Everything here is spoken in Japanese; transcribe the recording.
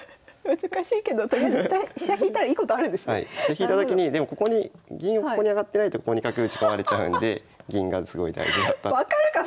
引いたときにでもここに銀をここに上がってないとここに角打ち込まれちゃうんで銀がすごい大事だった。